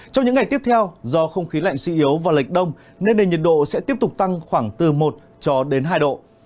trong những ngày tiếp theo do không khí lạnh suy yếu và lệch đông nên nền nhiệt độ sẽ tiếp tục tăng khoảng từ một cho đến hai độ